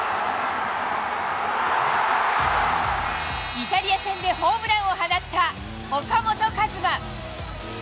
イタリア戦でホームランを放った岡本和真。